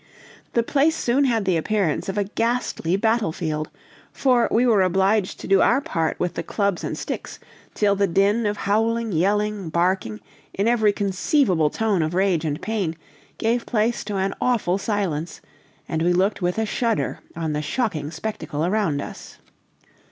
The place soon had the appearance of a ghastly battlefield; for we were obliged to do our part with the clubs and sticks, till the din of howling, yelling, barking, in every conceivable tone of rage and pain, gave place to an awful silence, and we looked with a shudder on the shocking spectacle around us.